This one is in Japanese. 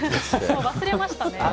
忘れましたね。